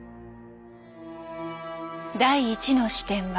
第１の視点は。